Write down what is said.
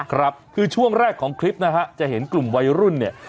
ครับคือช่วงแรกของคลิปนะฮะจะเห็นกลุ่มวัยรุ่นเนี่ย